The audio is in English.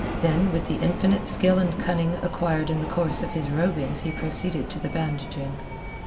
Then with the infinite skill and cunning acquired in the course of his rovings he proceeded to the bandaging.